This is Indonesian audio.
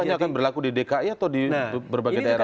hanya akan berlaku di dki atau di berbagai daerah